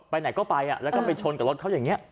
ไหนก็ไปแล้วก็ไปชนกับรถเขาอย่างนี้